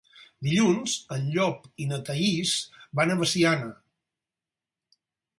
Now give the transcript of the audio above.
Dilluns en Llop i na Thaís van a Veciana.